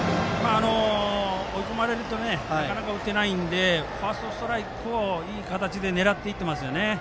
追い込まれるとなかなか打てないのでファーストストライクをいい形で狙っていますね。